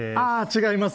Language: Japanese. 違います。